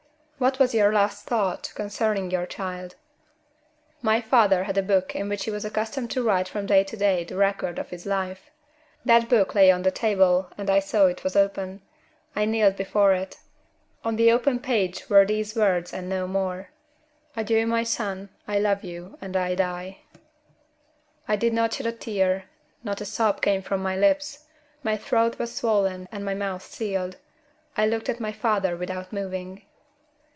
"What was your last thought concerning your child?" My father had a book in which he was accustomed to write from day to day the record of his life. That book lay on the table and I saw that it was open; I kneeled before it; on the open page were these words and no more: "Adieu, my son, I love you and I die." I did not shed a tear, not a sob came from my lips; my throat was swollen and my mouth sealed; I looked at my father without moving.